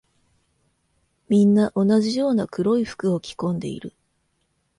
みんな同じような黒い服を着込んでいる。